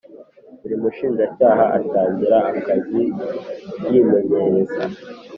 Buri mushinjacyaha atangira akazi yimenyereza